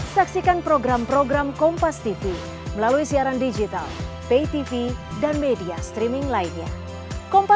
saksikan perbicaraan kami di sampai jumpa di sampai jumpa